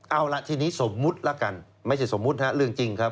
เอาล่ะทีนี้สมมุติละกันไม่ใช่สมมุติฮะเรื่องจริงครับ